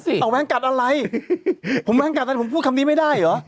สิออกแวะกัดอะไรผมแวะกัดแต่ผมพูดคำนี้ไม่ได้หรอ